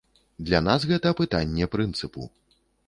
Для нас гэта пытанне прынцыпу.